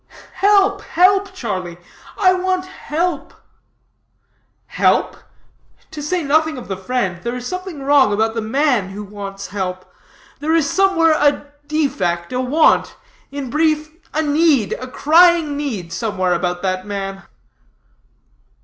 "Help, help, Charlie, I want help!" "Help? to say nothing of the friend, there is something wrong about the man who wants help. There is somewhere a defect, a want, in brief, a need, a crying need, somewhere about that man."